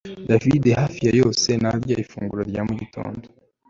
David hafi ya yose ntarya ifunguro rya mu gitondo